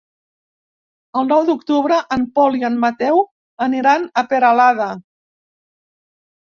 El nou d'octubre en Pol i en Mateu aniran a Peralada.